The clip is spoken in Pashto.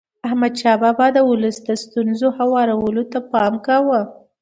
احمدشاه بابا د ولس د ستونزو هوارولو ته پام کاوه.